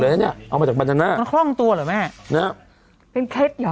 เอามาจากค่อยตัวหรอแม่นะฮะเป็นเคล็ดเหรอ